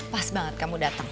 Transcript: pas banget kamu datang